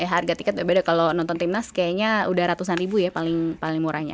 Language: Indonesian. harga tiket beda kalau nonton timnas kayaknya udah ratusan ribu ya paling murahnya